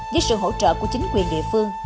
với sự hỗ trợ của chính quyền địa phương